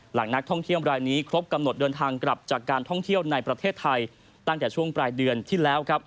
นักท่องเที่ยวรายนี้ครบกำหนดเดินทางกลับจากการท่องเที่ยวในประเทศไทยตั้งแต่ช่วงปลายเดือนที่แล้วครับ